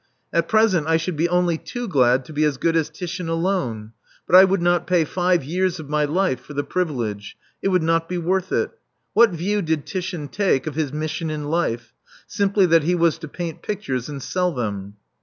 At present I should be only too glad to be as good as Titian alone; but I would not pay five years of my life for the privilege: it would not be worth it. What view did Titian take of his mission in life? Simply that he was to paint pictures and sell them.